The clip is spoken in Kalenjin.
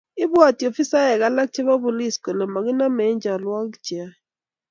ibwoti ofisaek alak chebo polis kole makinomei eng' cholwokik cheyoei.